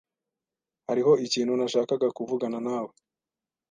Hariho ikintu nashakaga kuvugana nawe.